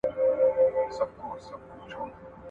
خط د ټکي څخه شروع کېږي.